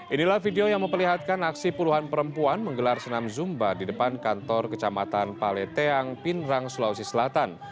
inilah video yang memperlihatkan aksi puluhan perempuan menggelar senam zumba di depan kantor kecamatan paleteang pindrang sulawesi selatan